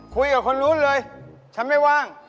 คุยกับคนนู้นเลยฉันไม่ว่าง